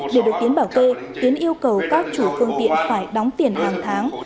để được tiến bảo kê tiến yêu cầu các chủ phương tiện phải đóng tiền hàng tháng